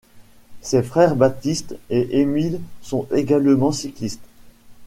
Ses frères Baptiste et Emiel sont également cyclistes.